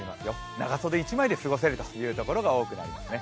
長袖１枚で過ごせるところが多くなりそうですね。